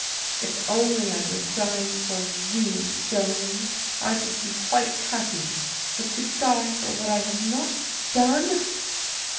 If only I were dying for you, Joan, I should be quite happy, but to die for what I have not done...!"